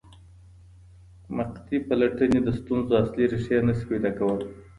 مقطعي پلټني د ستونزو اصلي ریښې نه سي پیدا کولای.